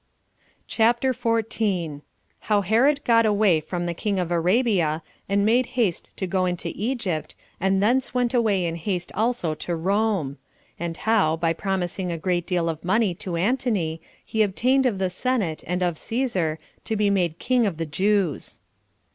CHAPTER 14. How Herod Got Away From The King Of Arabia And Made Haste To Go Into Egypt And Thence Went Away In Haste Also To Rome; And How, By Promising A Great Deal Of Money To Antony He Obtained Of The Senate And Of Cæsar To Be Made King Of The Jews.